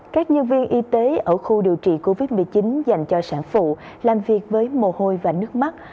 các nhân viên y tế ở khu điều trị covid một mươi chín dành cho sản phụ làm việc với mồ hôi và nước mắt